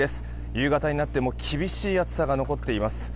夕方になっても厳しい暑さが残っています。